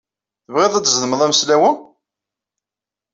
Tebɣiḍ ad d-tzedmeḍ ameslaw-a?